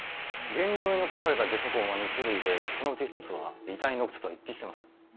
現場に残されたゲソ痕は２種類でそのうち一つは遺体の靴と一致してます。